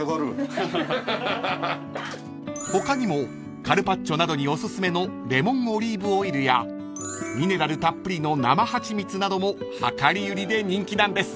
［他にもカルパッチョなどにおすすめのレモンオリーブオイルやミネラルたっぷりの生ハチミツなども量り売りで人気なんです］